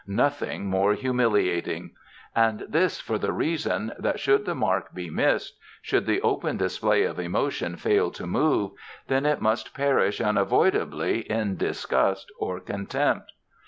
Nothing more humiliating! And this for the reason that should the mark be missed, should the open display of emotion fail to move, then it must perish unavoidably in disgust or contempt.